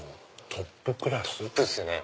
トップですよね。